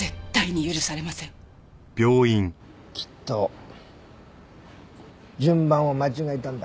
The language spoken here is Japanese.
きっと順番を間違えたんだ。